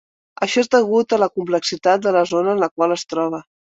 Això és degut a la complexitat de la zona en la qual es troba.